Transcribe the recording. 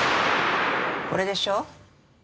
これでしょ？